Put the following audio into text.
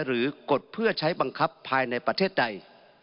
กดเพื่อใช้บังคับภายในประเทศใด